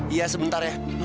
iya sebentar ya